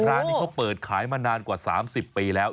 ร้านนี้เขาเปิดขายมานานกว่า๓๐ปีแล้ว